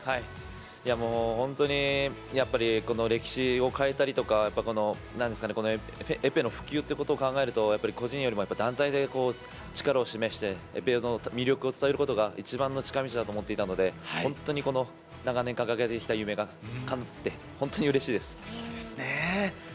もう本当に、やっぱりこの歴史を変えたりとか、やっぱこのなんですかね、エペの普及ということを考えると、やっぱり個人よりも団体で力を示して、エペの魅力を伝えることが一番の近道だと思っていたので、本当にこの長年掲げてきた夢がかなって、本当にうれしいです。